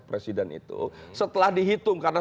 presiden itu setelah dihitung karena